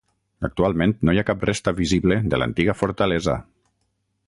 Actualment no hi ha cap resta visible de l'antiga fortalesa.